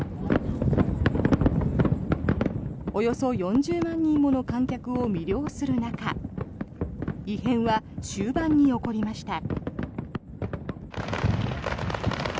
およそ４０万人もの観客を魅了する中異変は終盤に起こりました。